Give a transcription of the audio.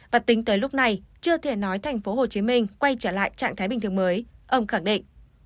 và tính tới lúc này chưa thể nói tp hcm quay trở lại trạng thái bình thường mới ông khẳng định